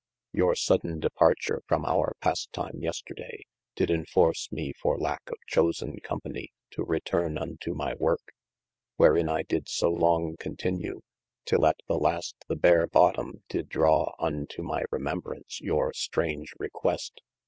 YOur sodeyn departure, from our pastime yesterday, did enforce mee for lacke of chosen company too returne untoo my worke, wherein I did so long continue, till at the last the bare bottome did drawe unto my remembraunce your straunge request.